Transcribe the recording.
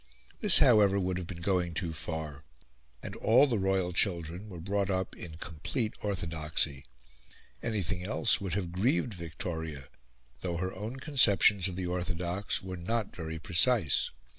This, however, would have been going too far; and all the royal children were brought up in complete orthodoxy. Anything else would have grieved Victoria, though her own conceptions of the orthodox were not very precise.